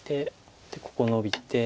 ここノビて。